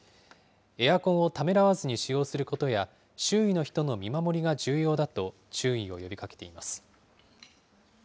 エアコンをためらわずに使用することや、周囲の人の見守りが重要だと注意を呼びかけています。